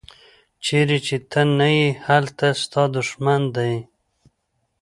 چیرې چې ته نه یې هلته ستا دوښمن دی.